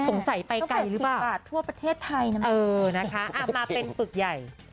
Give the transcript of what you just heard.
สงสัยไปไกลหรือเปล่าทั่วประเทศไทยนะเออนะคะมาเป็นปึกใหญ่